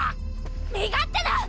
身勝手な！